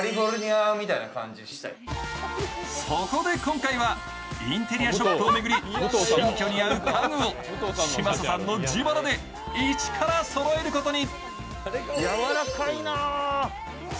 そこで今回は、インテリアショップを巡り新居に合う家具を嶋佐さんの自腹でイチからそろえることに。